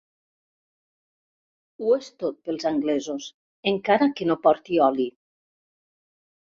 Ho és tot pels anglesos, encara que no porti oli.